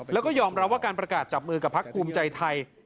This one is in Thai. แล้วก็ยอมรับว่าการประกาศจับมือกับพักภูมิใจไทย